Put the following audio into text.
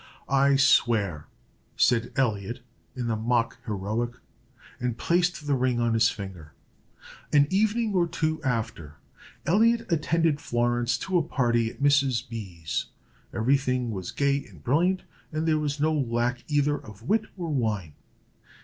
"I swear!" said Elliot, in the mock heroic, and placed the ring on his finger. An evening or two after, Elliot attended Florence to a party at Mrs. B.'s. Every thing was gay and brilliant, and there was no lack either of wit or wine.